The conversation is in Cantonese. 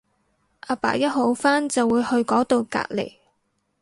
阿爸一好翻就會去嗰到隔離